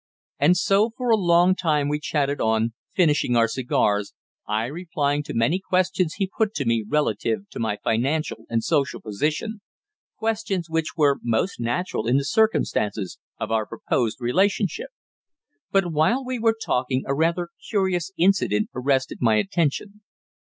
And so for a long time we chatted on, finishing our cigars, I replying to many questions he put to me relative to my financial and social position questions which were most natural in the circumstances of our proposed relationship. But while we were talking a rather curious incident arrested my attention.